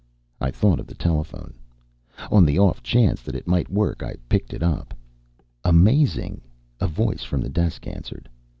I thought of the telephone. On the off chance that it might work, I picked it up. Amazing, a voice from the desk answered.